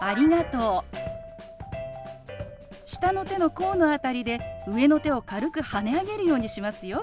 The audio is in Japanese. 下の手の甲の辺りで上の手を軽くはね上げるようにしますよ。